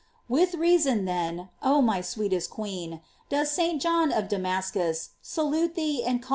J "With reason, then, oh my sweetest queen, does St. John of Damascus salute thee and call •BathiLS.